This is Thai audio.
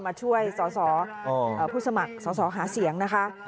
มาช่วยสสผู้สมัครสสหาเสียงนะครับ